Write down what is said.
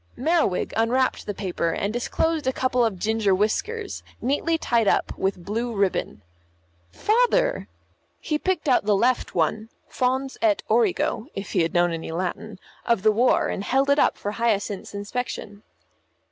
Merriwig unwrapped the paper, and disclosed a couple of ginger whiskers, neatly tied up with blue ribbon. "Father!" He picked out the left one, fons et origo (if he had known any Latin) of the war, and held it up for Hyacinth's inspection.